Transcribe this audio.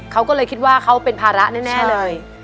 เขาก็เลยคิดว่าเขาเป็นภาระแน่เลย